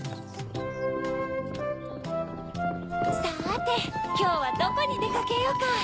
さてきょうはどこにでかけようか。